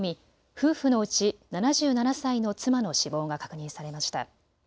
夫婦のうち７７歳の妻の死亡が確認されました。